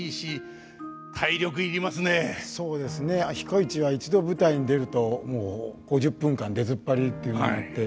彦市は一度舞台に出るともう５０分間出ずっぱりというのがあって。